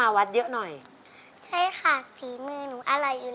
แล้วน้องใบบัวร้องได้หรือว่าร้องผิดครับ